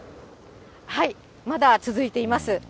まだ続いています。